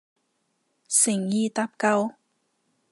誠意搭救